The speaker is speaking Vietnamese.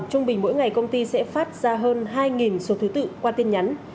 trung bình mỗi ngày công ty sẽ phát ra hơn hai số thứ tự qua tin nhắn